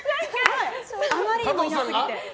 あまりにもいなすぎて。